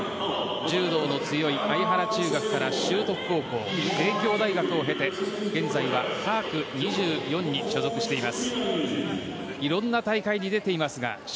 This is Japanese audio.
柔道の強い中学から修徳高校帝京大学を経て現在はパーク２４に所属しています。